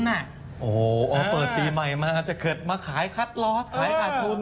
โอ้โหเปิดปีใหม่มาจะเกิดมาขายคัทลอสขายขาดทุน